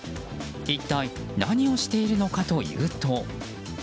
一体何をしているのかというと。